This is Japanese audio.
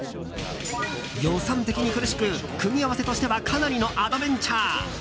予算的に苦しく組み合わせとしてはかなりのアドベンチャー。